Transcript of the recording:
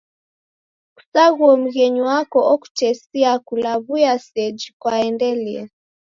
Kusaghuo mghenyu wako okutesia kulaw'ua seji kwaendelia.